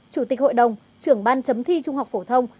chủ tịch hội đồng trưởng ban chấm thi trung học phổ thông